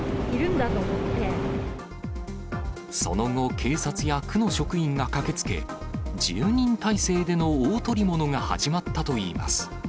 その後、警察や区の職員が駆けつけ、１０人態勢での大捕り物が始まったといいます。